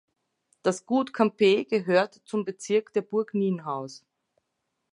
Das Gut Campe gehörte zum Bezirk der Burg Nienhaus.